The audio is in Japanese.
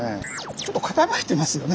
ちょっと傾いてますよね